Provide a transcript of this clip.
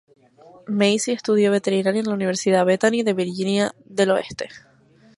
Macy estudió veterinaria en la Universidad Bethany de Virginia del Oeste.